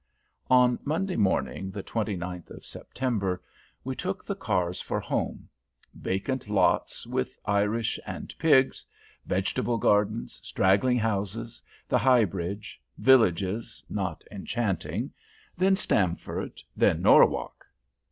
On Monday morning, the twenty ninth of September, we took the cars for home. Vacant lots, with Irish and pigs; vegetable gardens; straggling houses; the high bridge; villages, not enchanting; then Stamford: then NORWALK.